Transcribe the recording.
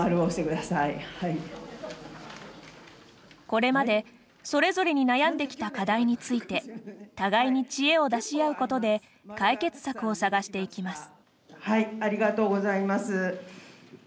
これまで、それぞれに悩んできた課題について互いに知恵を出し合うことで解決策を探していきます。